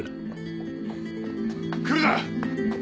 来るな！